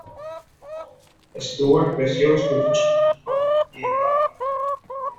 Stuart creció escuchando hip hop y rock.